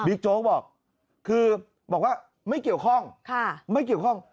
โจ๊กบอกคือบอกว่าไม่เกี่ยวข้องไม่เกี่ยวข้อง